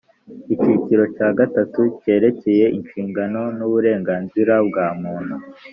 icyiciro cya cygatatu kerekeye inshingano n’ uburenganzira bwa muntu